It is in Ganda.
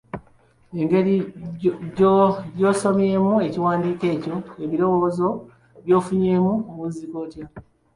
Engeri gy'osomyemu ekiwandiiko ekyo, n'ebirowoozo by'ofunyeemu, owunzika otya?